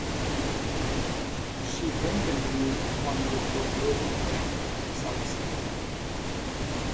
She then continued on with her whaling voyage into the South Seas.